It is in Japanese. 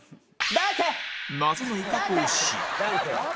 謎の威嚇をし